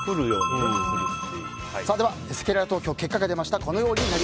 せきらら投票、結果が出ました。